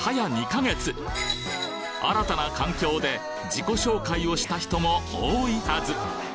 ２か月新たな環境で自己紹介をした人も多いはず